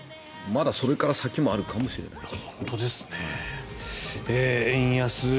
まだそれから先もあるかもしれないです。